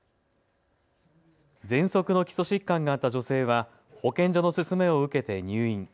ぜんそくの基礎疾患があった女性は保健所の勧めを受けて入院。